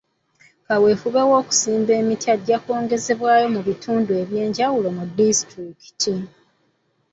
Kaweefube w'okusimba emiti ajja kwongezebwayo mu bitundu eby'enjawulo mu disitulikiti.